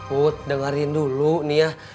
kut dengarin dulu nih ya